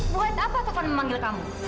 buat apa tuhan memanggil kamu